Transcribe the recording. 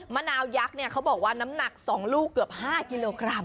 มะนาวยักษ์เนี่ยเขาบอกว่าน้ำหนัก๒ลูกเกือบ๕กิโลกรัม